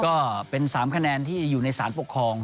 ก็เป็น๓คะแนนที่อยู่ในสารปกครอง